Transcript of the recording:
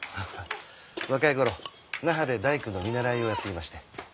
若い頃那覇で大工の見習いをやっていまして。